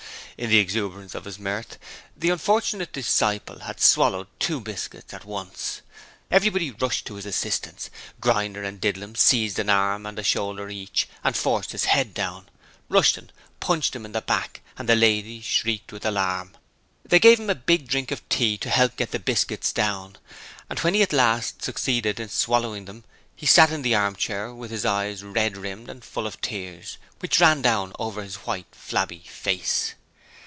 In the exuberance of his mirth, the unfortunate disciple had swallowed two biscuits at once. Everybody rushed to his assistance, Grinder and Didlum seized an arm and a shoulder each and forced his head down. Rushton punched him in the back and the ladies shrieked with alarm. They gave him a big drink of tea to help to get the biscuits down, and when he at last succeeded in swallowing them he sat in the armchair with his eyes red rimmed and full of tears, which ran down over his white, flabby face.